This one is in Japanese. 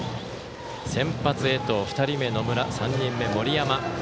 先発、江藤、２人目、野村３人目、森山。